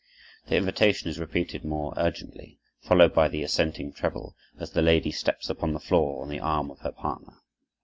The invitation is repeated more urgently, followed by the assenting treble, as the lady steps upon the floor on the arm of her partner.